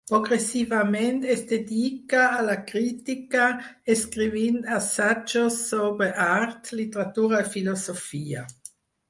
Progressivament es dedica a la crítica, escrivint assajos sobre art, literatura i filosofia.